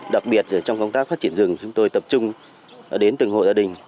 đặc biệt trong công tác phát triển rừng chúng tôi tập trung đến từng hội gia đình